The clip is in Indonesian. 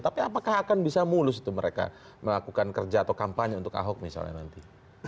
tapi apakah akan bisa mulus tuh mereka melakukan kerja atau kampanye untuk ahok misalnya nanti